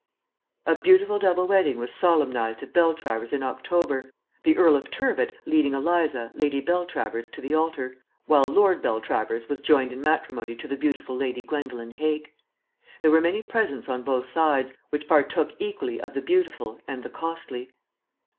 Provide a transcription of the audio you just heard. ..... A beautiful double wedding was solemnized at Beltravers in October, the Earl of Turbot leading Eliza, Lady Beltravers to the altar, while Lord Beltravers was joined in matrimony to the beautiful Lady Gwendolen Hake. There were many presents on both sides, which partook equally of the beautiful and the costly.